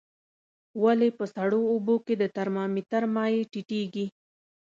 ولې په سړو اوبو کې د ترمامتر مایع ټیټیږي؟